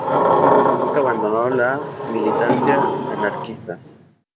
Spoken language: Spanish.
Nunca abandonó la militancia anarquista.